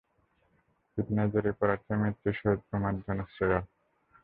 ফিতনায় জড়িয়ে পড়ার চেয়ে মৃত্যুই তোমার জন্যে শ্রেয়।